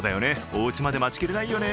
おうちまで待ちきれないよね